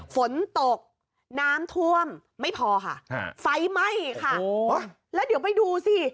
ฝนตกน้ำท่วมไม่พอค่ะไฟไหม้ค่ะโอ้แล้วเดี๋ยวไปดูสิ